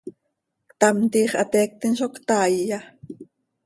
¿Ctam, tiix hateiictim zo ctaaiya?